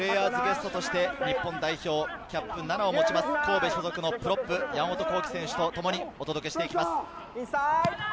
後半もプレイヤーズゲストとして日本代表キャップ７を持ちます神戸所属のプロップ・山本幸輝選手とともにお届けしていきます。